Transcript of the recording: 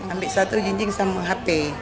ambil satu jinjing sama hp